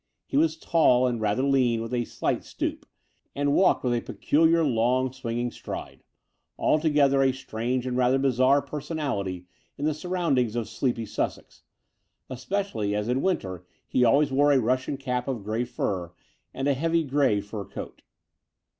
He was tall and rather lean, with a slight stoop, and walked with a peculiar long, swinging stride — altogether a strange and rather bizarre personality in the surroundings of sleepy Sussex, especially as in winter he always wore a Russian cap of grey fur and a heavy grey fur coat.